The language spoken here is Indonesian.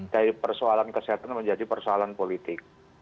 dari persoalan kesehatan menjadi persoalan politik